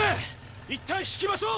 いったん退きましょう！